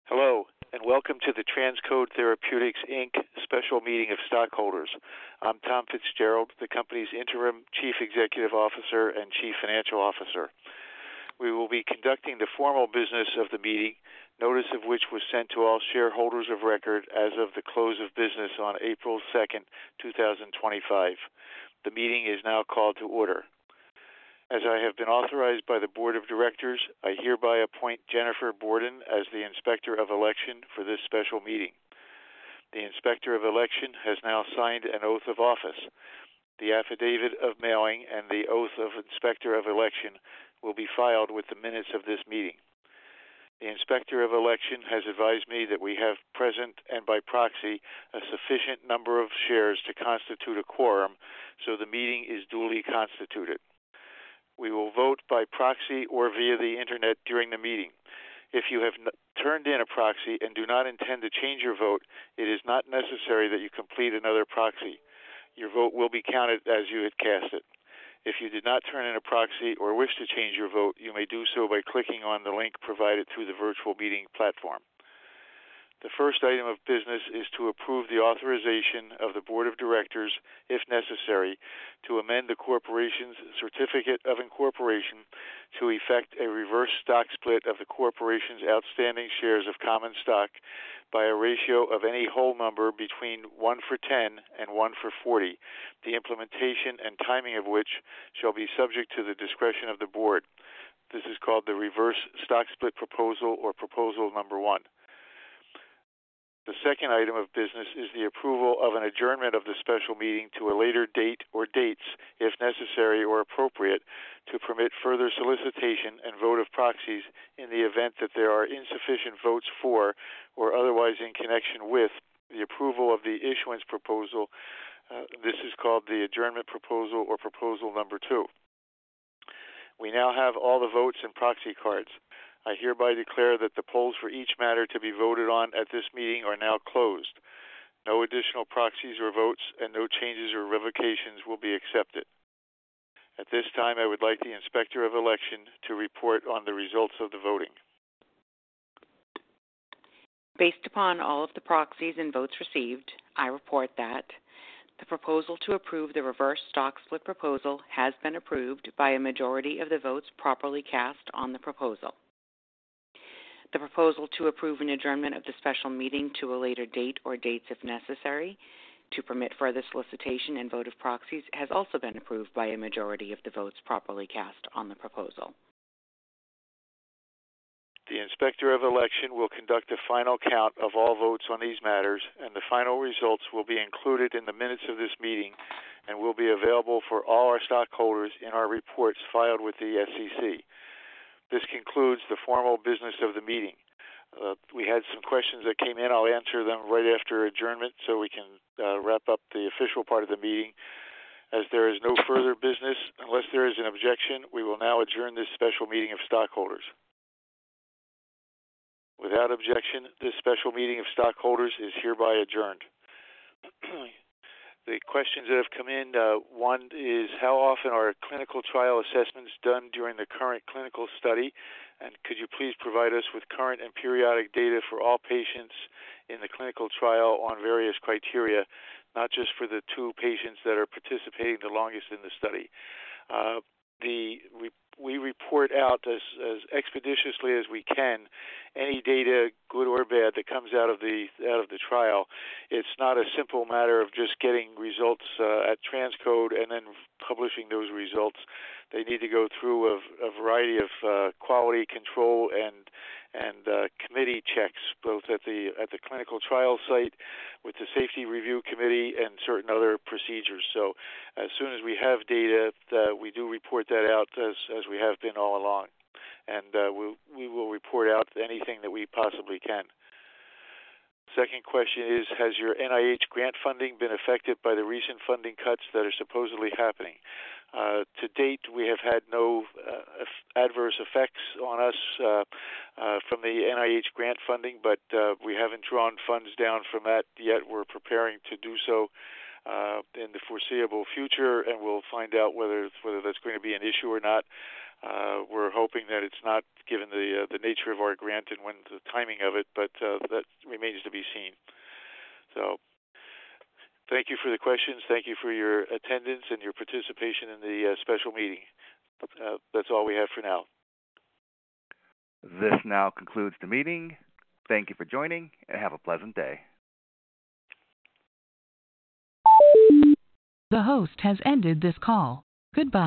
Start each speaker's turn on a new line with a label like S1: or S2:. S1: Hello, and welcome to the TransCode Therapeutics special meeting of stockholders. I'm Tom Fitzgerald, the company's Interim Chief Executive Officer and Chief Financial Officer. We will be conducting the formal business of the meeting, notice of which was sent to all shareholders of record as of the close of business on April 2nd, 2025. The meeting is now called to order. As I have been authorized by the board of directors, I hereby appoint Jennifer Borden as the inspector of election for this special meeting. The inspector of election has now signed an oath of office. The affidavit of mailing and the oath of inspector of election will be filed with the minutes of this meeting. The inspector of election has advised me that we have present and by proxy a sufficient number of shares to constitute a quorum, so the meeting is duly constituted. We will vote by proxy or via the internet during the meeting. If you have turned in a proxy and do not intend to change your vote, it is not necessary that you complete another proxy. Your vote will be counted as you had cast it. If you did not turn in a proxy or wish to change your vote, you may do so by clicking on the link provided through the virtual meeting platform. The first item of business is to approve the authorization of the board of directors, if necessary, to amend the corporation's certificate of incorporation to effect a reverse stock split of the corporation's outstanding shares of common stock by a ratio of any whole number between one for ten and one for forty, the implementation and timing of which shall be subject to the discretion of the board. This is called the reverse stock split proposal or proposal number one. The second item of business is the approval of an adjournment of the special meeting to a later date or dates, if necessary or appropriate, to permit further solicitation and vote of proxies in the event that there are insufficient votes for or otherwise in connection with the approval of the issuance proposal. This is called the adjournment proposal or proposal number two. We now have all the votes and proxy cards. I hereby declare that the polls for each matter to be voted on at this meeting are now closed. No additional proxies or votes and no changes or revocations will be accepted. At this time, I would like the inspector of election to report on the results of the voting.
S2: Based upon all of the proxies and votes received, I report that the proposal to approve the reverse stock split proposal has been approved by a majority of the votes properly cast on the proposal. The proposal to approve an adjournment of the special meeting to a later date or dates, if necessary, to permit further solicitation and vote of proxies has also been approved by a majority of the votes properly cast on the proposal.
S1: The inspector of election will conduct a final count of all votes on these matters, and the final results will be included in the minutes of this meeting and will be available for all our stockholders in our reports filed with the SEC. This concludes the formal business of the meeting. We had some questions that came in. I'll answer them right after adjournment so we can wrap up the official part of the meeting. As there is no further business, unless there is an objection, we will now adjourn this special meeting of stockholders. Without objection, this special meeting of stockholders is hereby adjourned. The questions that have come in, one is, how often are clinical trial assessments done during the current clinical study? Could you please provide us with current and periodic data for all patients in the clinical trial on various criteria, not just for the two patients that are participating the longest in the study? We report out as expeditiously as we can any data, good or bad, that comes out of the trial. It is not a simple matter of just getting results at TransCode and then publishing those results. They need to go through a variety of quality control and committee checks, both at the clinical trial site with the safety review committee and certain other procedures. As soon as we have data, we do report that out as we have been all along. We will report out anything that we possibly can. The second question is, has your NIH grant funding been affected by the recent funding cuts that are supposedly happening? To date, we have had no adverse effects on us from the NIH grant funding, but we haven't drawn funds down from that yet. We're preparing to do so in the foreseeable future, and we'll find out whether that's going to be an issue or not. We're hoping that it's not given the nature of our grant and when the timing of it, but that remains to be seen. Thank you for the questions. Thank you for your attendance and your participation in the special meeting. That's all we have for now.
S3: This now concludes the meeting. Thank you for joining and have a pleasant day.
S4: The host has ended this call. Goodbye.